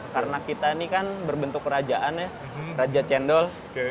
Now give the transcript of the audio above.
karena kita ini kan berbentuk kerajaan ya raja cendol